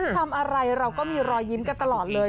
ทำอะไรเราก็มีรอยยิ้มกันตลอดเลย